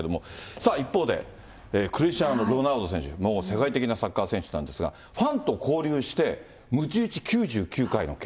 さあ、一方で、クリスティアーノ・ロナウド選手、もう世界的なサッカー選手なんですが、ファンと交流して、むち打ち９９回の刑。